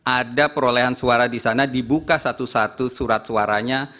ada perolehan suara di sana dibuka satu satu surat suaranya